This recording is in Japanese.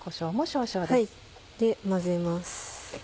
混ぜます。